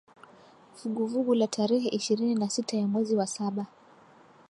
Vuguvugu la Tarehe ishirini na sita ya mwezi wa saba